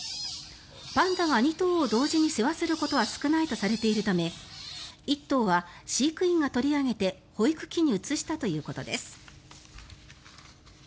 パンダが２頭を同時に世話することは少ないとされているため１頭は飼育員が取り上げて保育器に移したということです。